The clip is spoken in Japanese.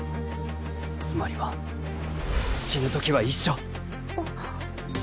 つまりは死ぬ時は一緒！